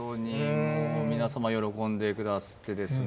もう皆様喜んでくだすってですね。